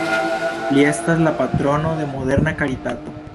Li estas la patrono de moderna karitato.